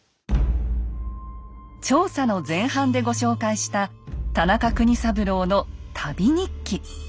調査の前半でご紹介した田中国三郎の旅日記。